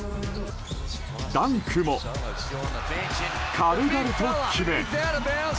ダンクも軽々と決め。